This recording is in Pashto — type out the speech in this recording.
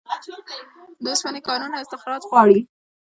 د اوسپنې کانونه استخراج غواړي